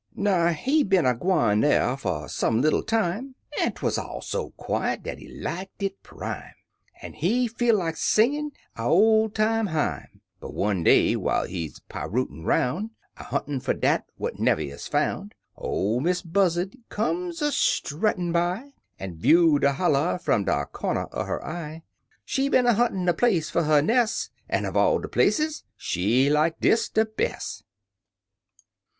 " Now, he been a gwine dar fer some little time, An' 'twuz all so quiet dat he liked it prime. An' he feel like singin' a ol' time hime: But one day, whiles he pirootin' 'roun', A huntin' fer dat what never is foun', Ol' Miss Buzzard come a struttin' by, An' view de holler fum de comder er her eye; She been a huntin' a place fer 'er nes', An' uv all de places she like dis de bes'.